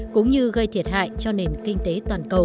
cũng như gây thiệt hại cho nền kinh tế toàn cầu